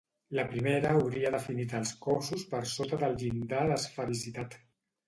La primera hauria definit als cossos per sota del llindar d'esfericitat.